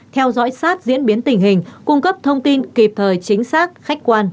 theo dõi sát diễn biến tình hình cung cấp thông tin kịp thời chính xác khách quan